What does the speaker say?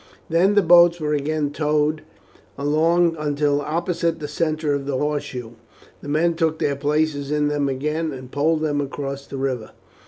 Then the boats were again towed along until opposite the centre of the horseshoe; the men took their places in them again and poled them across the river.